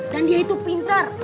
dan dia itu pinter